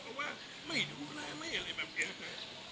เอาว่าไม่ดูแลไหม